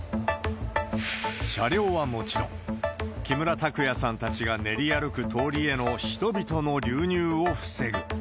車両はもちろん、木村拓哉さんたちが練り歩く通りへの人々の流入を防ぐ。